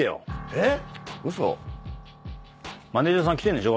えっ？